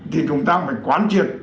thì chúng ta phải quán triệt